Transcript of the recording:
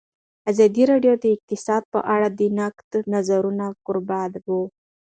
ازادي راډیو د اقتصاد په اړه د نقدي نظرونو کوربه وه.